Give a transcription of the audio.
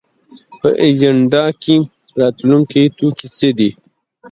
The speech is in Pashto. په اجنډا کې راتلونکی توکي څه دي؟